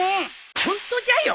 ホントじゃよ！